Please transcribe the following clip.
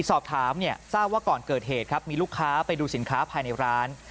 สอบถามเนี่ยทราบว่าก่อนเกิดเหตุครับมีลูกค้าไปดูสินค้าภายในร้าน